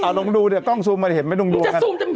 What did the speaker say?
เพราะว่าเราต้องซุมมาให้เห็นไม่ดุงดวง